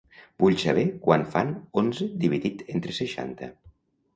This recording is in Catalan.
Vull saber quant fan onze dividit entre seixanta.